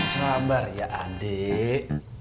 sabar ya adik